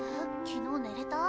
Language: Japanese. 昨日寝れた？